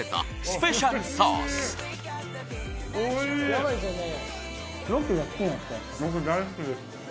ヤバいですよね